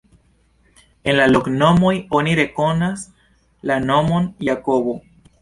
En la loknomoj oni rekonas la nomon Jakobo.